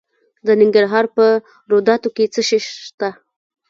د ننګرهار په روداتو کې څه شی شته؟